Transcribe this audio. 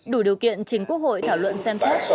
đủ điều kiện chính quốc hội thảo luận xem xét